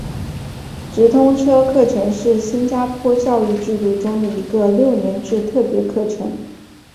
直通车课程是新加坡教育制度中的一个六年制特别课程。